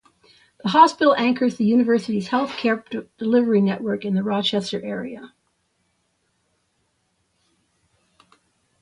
The hospital anchors the University's health care delivery network in the Rochester area.